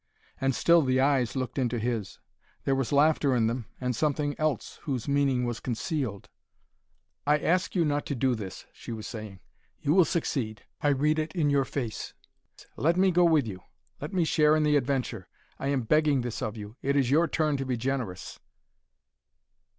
And still the eyes looked into his. There was laughter in them, and something else whose meaning was concealed. "I ask you not to do this," she was saying. "You will succeed; I read it in your face. Let me go with you; let me share in the adventure. I am begging this of you. It is your turn to be generous."